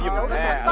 diam lu udah santai